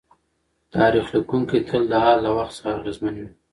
تاریخ لیکونکی تل د حال له وخت څخه اغېزمن وي.